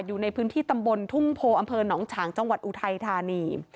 อยู่ในพื้นที่ตำบลทุ่งโพอำเภอหนองฉางจังหวัดอุทัยธานี